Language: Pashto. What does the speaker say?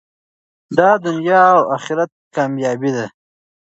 دا د دنیا او اخرت کامیابي ده.